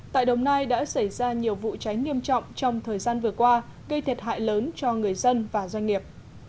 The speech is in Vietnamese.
tại đồng nai đã xảy ra nhiều vụ cháy nghiêm trọng trong thời gian vừa qua gây thiệt hại lớn cho người dân và doanh nghiệp